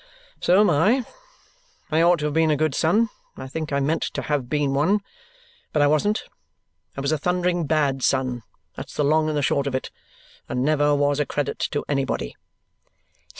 "So am I. I ought to have been a good son, and I think I meant to have been one. But I wasn't. I was a thundering bad son, that's the long and the short of it, and never was a credit to anybody."